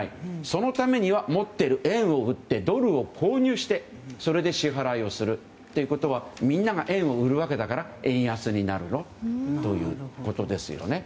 そのためには持っている円を売ってドルを購入して支払いをするということはみんなが円を売るわけだから円安になるということですよね。